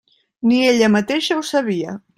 Ni ella mateixa ho sabia.